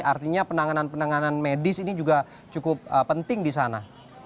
artinya penanganan penanganan medis ini juga cukup penting disana